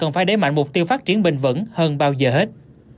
cần phải đẩy mạnh mục tiêu phát triển bình vẩn hơn bao giờ hết